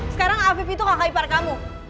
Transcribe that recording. sekarang afif itu kakak ipar kamu